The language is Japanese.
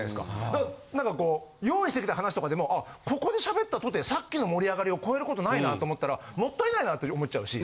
だから何かこう用意してきた話とかでもあここで喋ったとてさっきの盛り上がりを超えることないなと思ったらもったいないなと思っちゃうし。